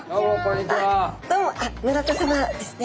どうも村田さまですね？